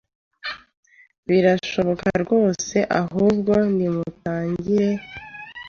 Birashoboka rwose ahubwo nimutangire